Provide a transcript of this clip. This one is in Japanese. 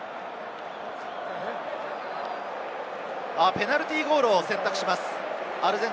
ペナルティーゴールを選択します。